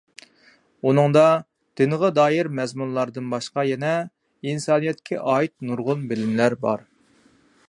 ئۇنىڭدا دىنغا دائىر مەزمۇنلاردىن باشقا يەنە ئىنسانىيەتكە ئائىت نۇرغۇن بىلىملەر بار.